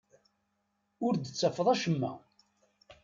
Ur d-tessadfeḍ acemma.